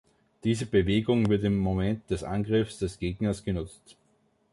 Diese Bewegung wird im Moment des Angriffs des Gegners genutzt.